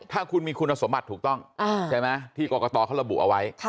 ถ้าคุณมีคุณสมบัติถูกต้องใช่ไหมที่กรกตเขาระบุเอาไว้